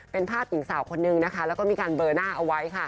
เป็นภาพหญิงสาวคนนึงนะคะแล้วก็มีการเบอร์หน้าเอาไว้ค่ะ